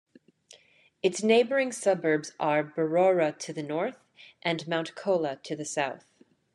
Its neighbouring suburbs are Berowra to the north, and Mount Colah to the south.